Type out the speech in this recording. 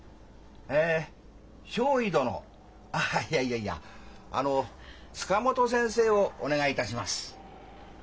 え少尉殿あっいやいやあの塚本先生をお願いいたします。